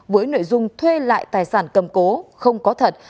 với nội dung thuê lại tài sản cầm cố không có thật